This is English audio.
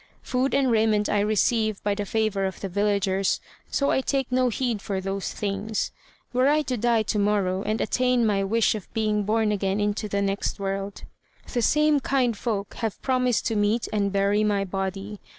Food and raiment I receive by the favour of the villagers, so I take no heed for those things. Were I to die to morrow, and attain my wish of being born again into the next world, the same kind folk have promised to meet and bury my body.